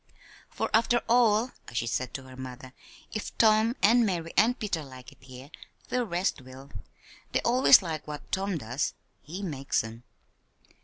"For, after all," as she said to her mother, "if Tom and Mary and Peter like it here, the rest will. They always like what Tom does he makes 'em."